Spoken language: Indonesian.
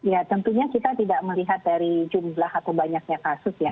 ya tentunya kita tidak melihat dari jumlah atau banyaknya kasus ya